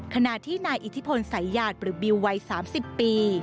ขณะที่นายอิทธิพลสายหยาดหรือบิววัย๓๐ปี